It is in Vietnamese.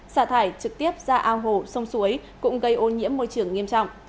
xả thải trực tiếp ra ao hồ sông suối cũng gây ô nhiễm môi trường nghiêm trọng